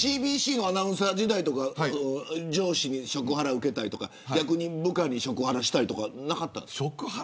ＣＢＣのアナウンサー時代は上司に食ハラを受けたりとか逆に部下に食ハラしたりとかなかったんですか。